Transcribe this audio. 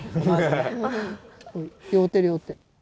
両手両手。